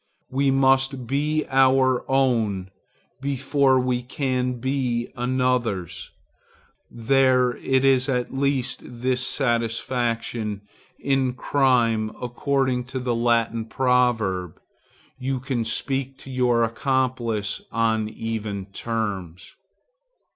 We must be our own before we can be another's. There is at least this satisfaction in crime, according to the Latin proverb;—you can speak to your accomplice on even terms.